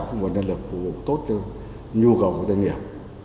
khung quân nhân lực phù hợp tốt cho nhu cầu của doanh nghiệp